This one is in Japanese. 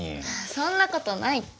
そんなことないって。